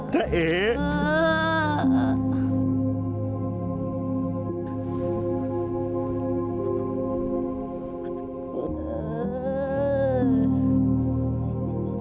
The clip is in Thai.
แม่ง